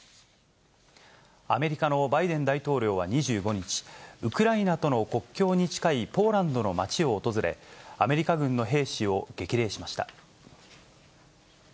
アメリカのバイデン大統領は２５日、ウクライナとの国境に近いポーランドの町を訪れ、アメリカ軍の兵士を激励しました。